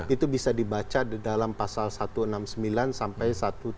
itu bisa dibaca di dalam pasal satu ratus enam puluh sembilan sampai satu ratus tujuh puluh